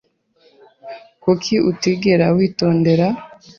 Kuki utigera witondera?